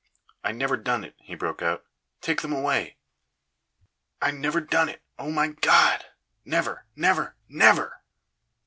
"I never done it!" he broke out. "Take them away! I never done it! Oh, my God! never never never!"